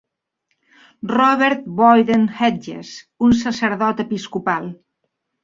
Robert Boyden Hedges, un sacerdot episcopal.